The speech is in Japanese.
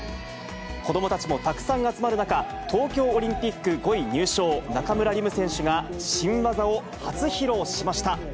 子どもたちもたくさん集まる中、東京オリンピック５位入賞、中村輪夢選手が、新技を初披露しました。